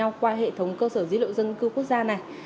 với nhau qua hệ thống cơ sở dữ liệu dân cư quốc gia này